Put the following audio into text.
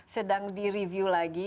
sedang di review lagi